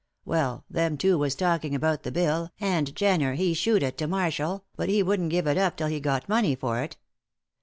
Well, them two was talking about the bill, and Jenner he shewed it to Marshall, but he wouldn't give it up till he got money for it.